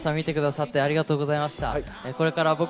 皆さん見てくださってありがとうございました。